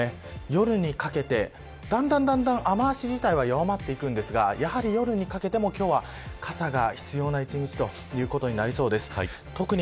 夜にかけてだんだん雨脚自体は弱まってくるんですが夜にかけても今日は傘が必要な１日ということになりそうです。